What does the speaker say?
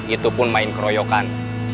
itu pun main keroyokan